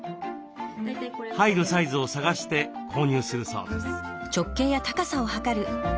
入るサイズを探して購入するそうです。